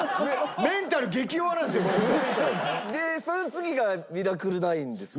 でその次が『ミラクル９』ですか？